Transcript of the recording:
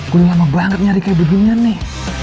gue nyaman banget nyari kayak beginian nih